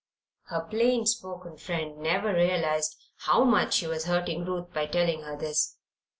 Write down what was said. Her plain spoken friend never realized how much she was hurting Ruth by telling her this.